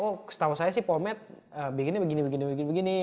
oh setahu saya sih pomed begini begini begini